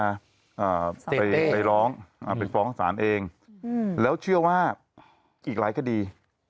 อ่าไปไปร้องอ่าไปฟ้องศาลเองอืมแล้วเชื่อว่าอีกหลายคดี